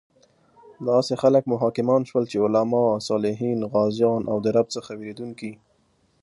داسې خلک مو حاکمان شول چې علماء، صالحین، غازیان او د رب څخه ویریدونکي